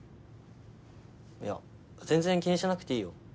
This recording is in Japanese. いや全然気にしなくていいよ